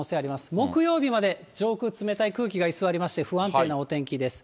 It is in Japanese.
木曜日まで上空、冷たい空気が居座りまして、不安定なお天気です。